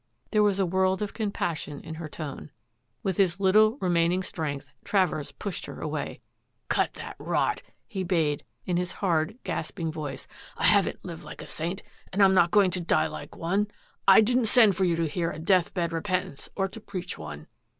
There was a world of com passion in her tone. With his little remaining strength, Travers pushed her away. " Cut that rot !" he bade, in his hard, gasping voice, " I haven't lived like a saint and I'm not going to die like one. I didn't send for you to hear a deathbed repentance or to preach one.